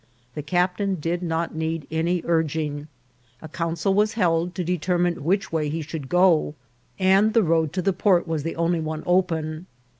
The captain did not need any urging. A council was held to determine which way he should go, and the road to the port was the only one open.